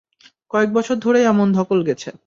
কয়েকবছর ধরেই এমন ধকল গেছে।